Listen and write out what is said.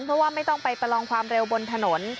เพราะว่าไม่ต้องไปประลองความเร็วบนถนน